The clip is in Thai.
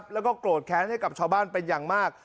แล้วก็โกรธแค้นให้กับชาวบ้านเป็นอย่างมาก